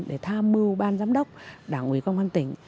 để tham mưu ban giám đốc đảng ủy công an tỉnh